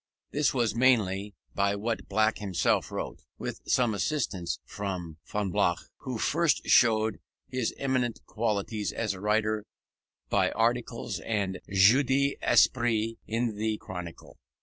This was mainly by what Black himself wrote, with some assistance from Fonblanque, who first showed his eminent qualities as a writer by articles and jeux d'esprit in the Chronicle.